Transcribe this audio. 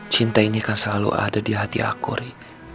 cinta ini akan selalu ada di hati aku ri